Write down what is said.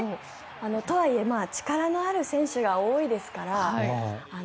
とはいえ、力のある選手が多いですから。